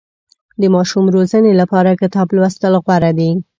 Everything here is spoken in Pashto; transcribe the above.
د ماشوم روزنې لپاره کتاب لوستل غوره دي.